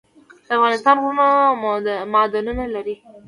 د افغانستان غرونه معدنونه لري